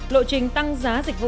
lộ trình tăng giá dịch vụ